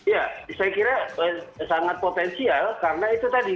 ya saya kira sangat potensial karena itu tadi